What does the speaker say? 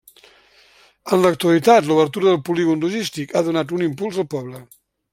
En l'actualitat l'obertura del polígon logístic ha donat un impuls al poble.